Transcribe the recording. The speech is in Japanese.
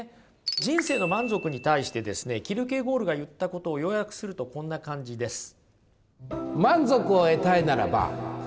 人生の満足に対してですねキルケゴールが言ったことを要約するとこんな感じです。